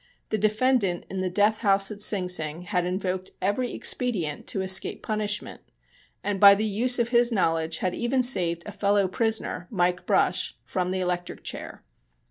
The defendant in the "Death House" at Sing Sing had invoked every expedient to escape punishment, and by the use of his knowledge had even saved a fellow prisoner, "Mike" Brush, from the electric chair.